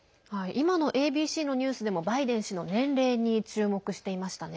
今のＡＢＣのニュースでもバイデン氏の年齢に注目していましたね。